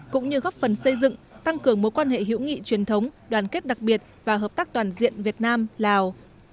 cũng như góp phần xây dựng tăng cường mối quan hệ hữu nghị truyền thống đoàn kết đặc biệt và hợp tác toàn diện việt nam lào